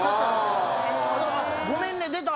「ごめんね」出た。